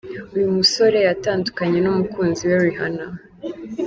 Uyu musore yatandukanye n'umukunzi we Rihanna.